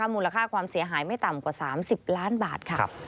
มูลค่าความเสียหายไม่ต่ำกว่า๓๐ล้านบาทค่ะ